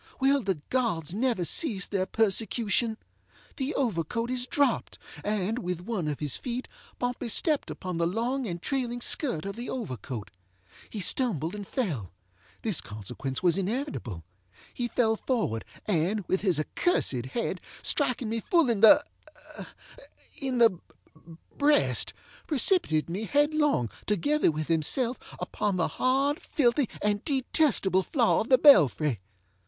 Will the gods never cease their persecution? The overcoat is dropped, and, with one of his feet, Pompey stepped upon the long and trailing skirt of the overcoat. He stumbled and fellŌĆöthis consequence was inevitable. He fell forward, and, with his accursed head, striking me full in theŌĆöin the breast, precipitated me headlong, together with himself, upon the hard, filthy, and detestable floor of the belfry.